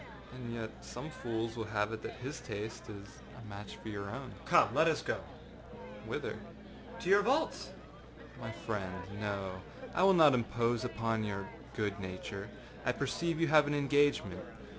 â âAnd yet some fools will have it that his taste is a match for your own.â âCome, let us go.â âWhither?â âTo your vaults.â âMy friend, no; I will not impose upon your good nature. I perceive you have an engagement.